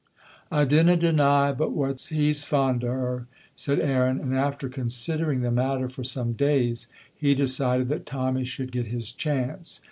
"I dinna deny but what he's fond o' her," said Aaron, and after considering the matter for some days he decided that Tommy should get his chance.